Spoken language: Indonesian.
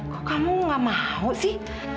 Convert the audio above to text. kok kamu gak mau sih